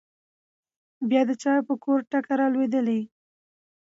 بيا د چا په کور ټکه رالوېدلې؟